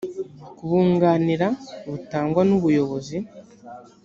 kubunganira butangwa n ubuyobozi